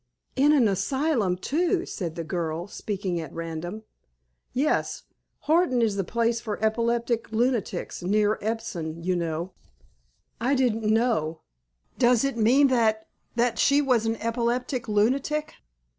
'"_ "In an asylum, too," said the girl, speaking at random. "Yes. Horton is the place for epileptic lunatics, near Epsom, you know." "I didn't know. Does it mean that—that she was an epileptic lunatic?"